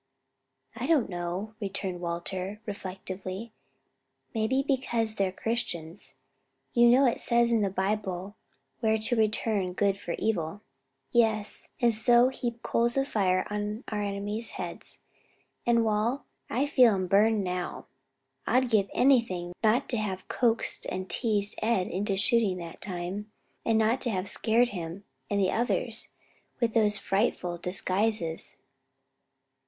"I don't know," returned Walter reflectively; "maybe because they're Christians. You know it says in the Bible we're to return good for evil." "Yes, and so heap coals of fire on our enemies' heads. And, Wal, I feel 'em burn now. I'd give anything not to have coaxed and teased Ed into shooting that time, and not to have scared him and the others with those frightful disguises."